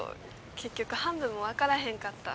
結局半分もわからへんかった。